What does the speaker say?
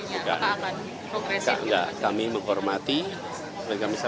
kan ini kan para pakar sudah mulai menawarkan prediksi prediksinya